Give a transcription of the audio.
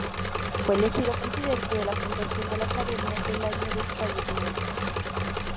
Fue elegido Presidente de la Fundación de la Academia el año de su fallecimiento.